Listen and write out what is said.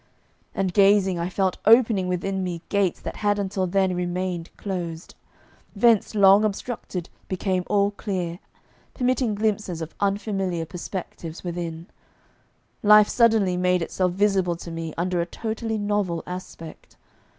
And gazing I felt opening within me gates that had until then remained closed; vents long obstructed became all clear, permitting glimpses of unfamiliar perspectives within; life suddenly made itself visible to me under a totally novel aspect.